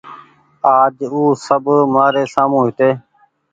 آج او سب مآري سآمون هيتي